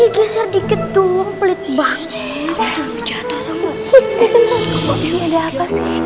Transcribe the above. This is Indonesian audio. cesar di gedung pelit banget